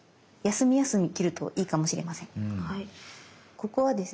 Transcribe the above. ここはですね